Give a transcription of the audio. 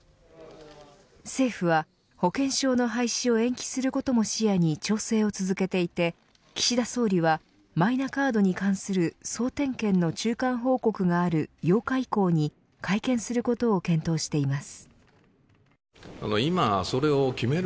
政府は保険証の廃止を延期することも視野に調整を続けていて岸田総理はマイナカードに関する総点検の中間報告がある８日以降に会見することを検討しています。